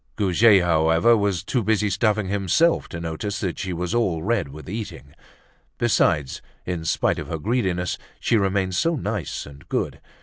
Goujet, however, was too busy stuffing himself to notice that she was all red with eating. Besides, in spite of her greediness, she remained so nice and good!